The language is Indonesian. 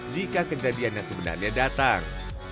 jika kejadian yang sebenarnya datang